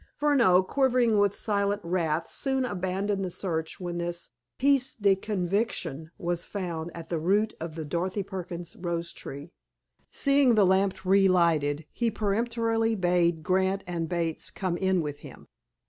Furneaux, quivering with silent wrath, soon abandoned the search when this pièce de conviction was found at the root of the Dorothy Perkins rose tree. Seeing the lamp relighted, he peremptorily bade Grant and Bates come in with him.